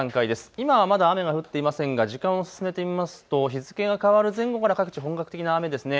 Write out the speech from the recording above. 今はまだ雨が降っていませんが時間を進めてみますと日付が変わる前後から各地、本格的な雨ですね。